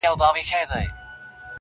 په خپل نوبت کي هر یوه خپلي تیارې راوړي!!